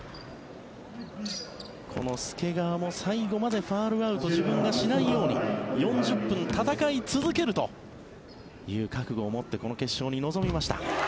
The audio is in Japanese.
この介川も最後までファウルアウトを自分がしないように４０分戦い続けるという覚悟を持ってこの決勝に臨みました。